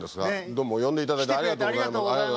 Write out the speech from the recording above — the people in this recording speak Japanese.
どうも呼んでいただいてありがとうございます。